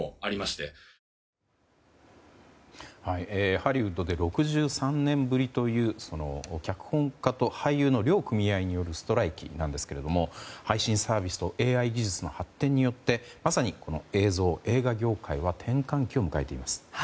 ハリウッドで６３年ぶりという脚本家と俳優の両組合によるストライキなんですが配信サービスとＡＩ技術の発展によってまさに映像・映画業界は転換期を迎えています。